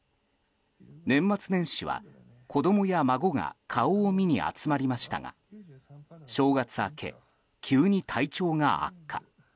年末年始は、子供や孫が顔を見に集まりましたが正月明け、急に体調が悪化。